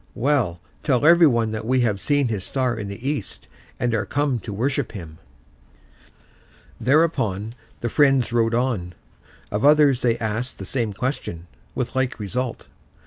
"Well, tell everybody that we have seen his star in the east, and are come to worship him." Thereupon the friends rode on. Of others they asked the same question, with like result.